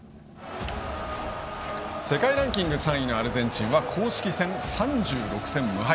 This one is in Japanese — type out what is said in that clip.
世界ランキング３位のアルゼンチンは公式戦３６戦無敗。